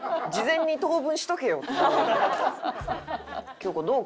京子どう？